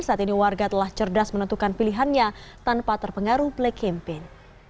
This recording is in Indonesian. saat ini warga telah cerdas menentukan pilihannya tanpa terpengaruh black campaign